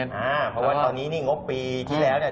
เพราะว่าตอนนี้นี่งบปีที่แล้วเนี่ย